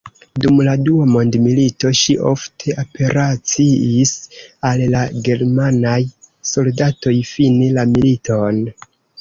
Dum la Dua Mondmilito ŝi ofte apelaciis al la germanaj soldatoj fini la militon.